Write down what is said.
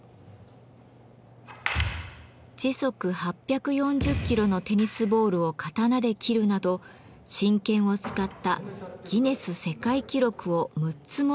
時速８４０キロのテニスボールを刀で斬るなど真剣を使ったギネス世界記録を６つ持っている現代の侍です。